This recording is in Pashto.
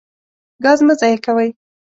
ګاز مه ضایع کوئ.